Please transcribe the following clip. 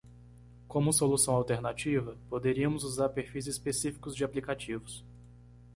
Como solução alternativa?, poderíamos usar perfis específicos de aplicativos.